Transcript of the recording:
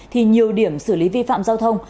thì nhiều điểm xử lý vi phạm giao thông